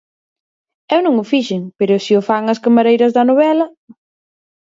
Eu non o fixen, pero si o fan as camareiras da novela.